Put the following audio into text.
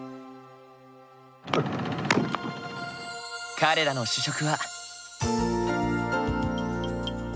彼らの主食は。